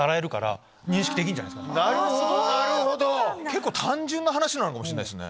結構単純な話なのかもしれないですね。